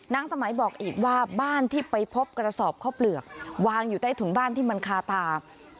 สมัยบอกอีกว่าบ้านที่ไปพบกระสอบข้าวเปลือกวางอยู่ใต้ถุนบ้านที่มันคาตา